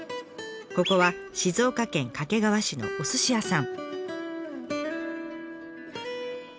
ここは静岡県掛川市のお寿司屋さん。